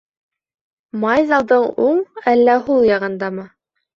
Май залдың уң әллә һул яғындамы?